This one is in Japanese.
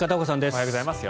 おはようございます。